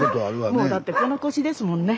もうだってこの年ですもんね。